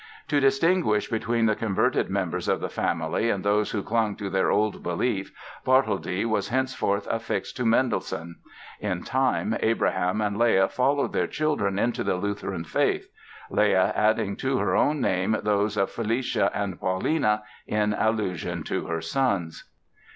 To distinguish between the converted members of the family and those who clung to their old belief "Bartholdy" was henceforth affixed to "Mendelssohn". In time, Abraham and Leah followed their children into the Lutheran faith, Leah adding to her own name those of Felicia and Paulina, in allusion to her sons.